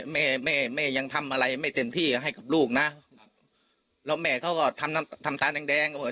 มีแม่ยังทำอะไรไม่เต็มที่ให้กับลูกนะและแม่เขาก็ทำตาแดงกลงไห้